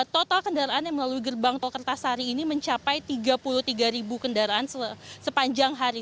total kendaraan yang melalui gerbang tol kertasari ini mencapai tiga puluh tiga ribu kendaraan sepanjang hari